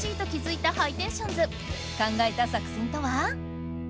考えた作戦とは？